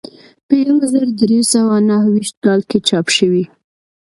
په یو زر درې سوه نهه ویشت کال کې چاپ شوی.